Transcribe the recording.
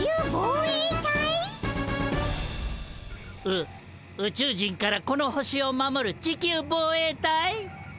う宇宙人からこの星を守る地球防衛隊？